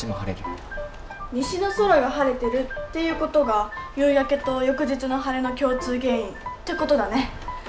西の空が晴れてるっていう事が「夕焼け」と「翌日の晴れ」の共通原因って事だね。